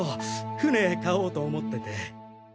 船買おうと思ってて。